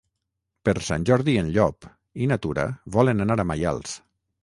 Per Sant Jordi en Llop i na Tura volen anar a Maials.